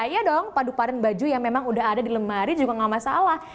ya dong paduparan baju yang memang udah ada di lemari juga gak masalah